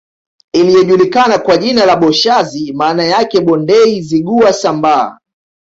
Iliyojulikana kwa jina la Boshazi maana yake Bondei Zigua Sambaa